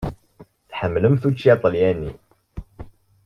Tḥemmlemt učči aṭalyani?